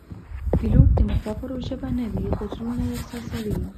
پیلوټ د مسافرو ژبه نه وي خو زړونه یې احساسوي.